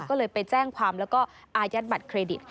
ก็เลยไปแจ้งความแล้วก็อายัดบัตรเครดิต